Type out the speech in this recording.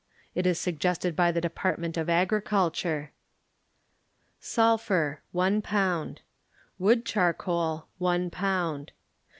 It ii suEEested by the Department of Agrir culture: Sulphur 1 pound. Wood charcoal 1 pound.